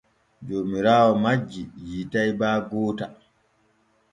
Joomiraawo majji yiitay baa goota.